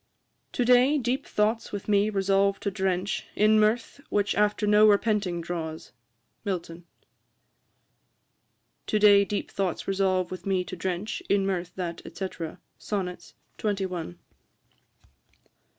'To day deep thoughts with me resolve to drench In mirth, which after no repenting draws.' MILTON. ['To day deep thoughts resolve with me to drench In mirth that, &c.' Sonnets, xxi.